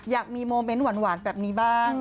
อยากมีโมเมนต์หวานแบบนี้บ้าง